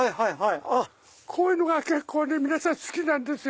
こういうのが結構皆さん好きなんですよ。